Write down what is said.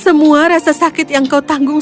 semua rasa sakit yang kau tanggung